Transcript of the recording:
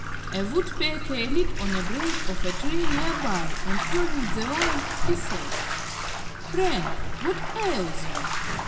A Woodpecker lit on a branch of a tree near by, and hearing the Lion, she said, "Friend, what ails you?"